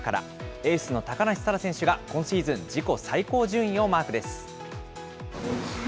エースの高梨沙羅選手が今シーズン自己最高順位をマークです。